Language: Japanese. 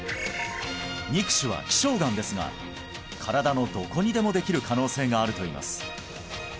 肉腫は希少がんですが身体のどこにでもできる可能性があるといいます